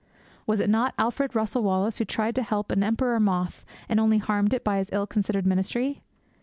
Was it not Alfred Russel Wallace who tried to help an emperor moth, and only harmed it by his ill considered ministry?